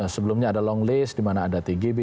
sebelumnya ada longlist di mana ada tgb